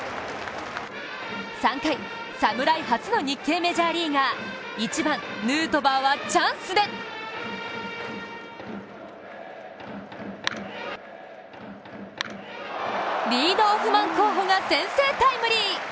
３回、侍初の日系メジャーリーガー１番・ヌートバーはチャンスでリードオフマン候補が先制タイムリー。